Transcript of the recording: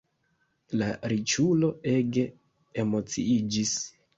La riĉulo ege emociiĝis.